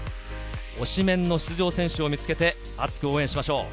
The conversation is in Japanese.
推しメンの出場選手を見つけて熱く応援しましょう。